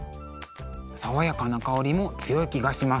爽やかな香りも強い気がします。